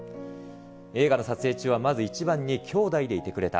映画の撮影中はまず一番に兄弟でいてくれた。